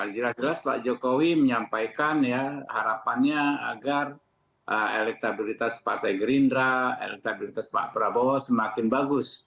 jelas jelas pak jokowi menyampaikan ya harapannya agar elektabilitas partai gerindra elektabilitas pak prabowo semakin bagus